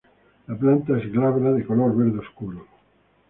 La planta es glabra de color verde oscuro.